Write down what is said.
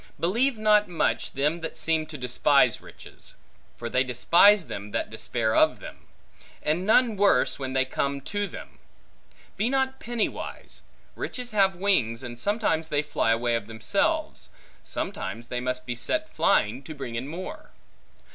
Believe not much, them that seem to despise riches; for they despise them, that despair of them; and none worse, when they come to them. Be not penny wise; riches have wings, and sometimes they fly away of themselves, sometimes they must be set flying, to bring in more.